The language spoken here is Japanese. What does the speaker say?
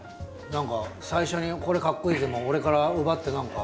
何か最初に「これ、かっこイイぜ！」も俺から奪って何か。